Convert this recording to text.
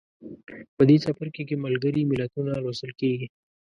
په دې څپرکي کې ملګري ملتونه لوستل کیږي.